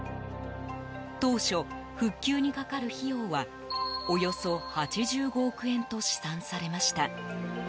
当初、復旧にかかる費用はおよそ８５億円と試算されました。